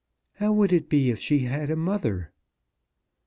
"How would it be if she had a mother?"